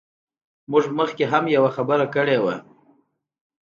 موږ مخکې هم یوه خبره کړې وه.